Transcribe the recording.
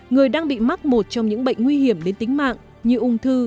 người đang bị mắc một trong những bệnh nguy hiểm đến tính mạng như ung thư